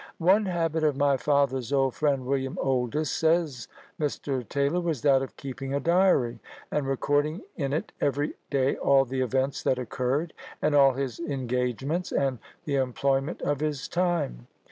"One habit of my father's old friend, William Oldys," says Mr. Taylor, "was that of keeping a diary, and recording in it every day all the events that occurred, and all his engagements, and the employment of his time.